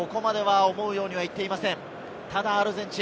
ここまでは思うようにはいっていません。